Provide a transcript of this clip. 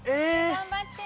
頑張って。